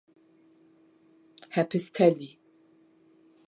Herr Pistelli.